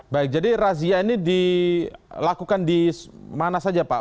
baik jadi razia ini dilakukan di mana saja pak